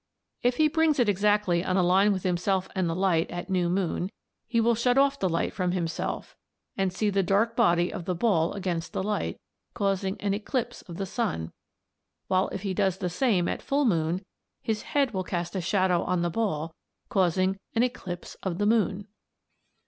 If he brings it exactly on a line with himself and the light at new moon, he will shut off the light from himself and see the dark body of the ball against the light, causing an eclipse of the sun; while if he does the same at full moon his head will cast a shadow on the ball causing an eclipse of the moon.